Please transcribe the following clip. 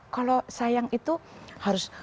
kalau sayang itu harus